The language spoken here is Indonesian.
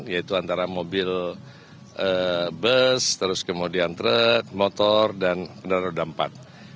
yaitu antara mobil bus terus kemudian truk motor dan kendaraan roda empat